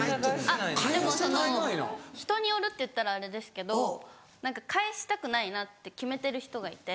でもその人によるっていったらあれですけど何か返したくないなって決めてる人がいて。